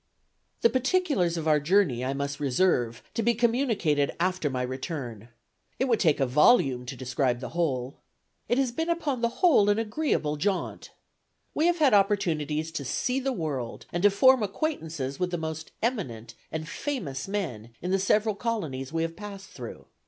"The particulars of our journey I must reserve, to be communicated after my return. It would take a volume to describe the whole. It has been upon the whole an agreeable jaunt. We have had opportunities to see the world and to form acquaintances with the most eminent and famous men in the several colonies we have passed through.